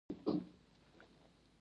منډه د ذهني فشار مخه نیسي